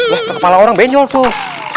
deh ke kepala orang benjol tuh